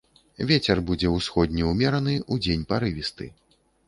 Вецер будзе ўсходні ўмераны, удзень парывісты.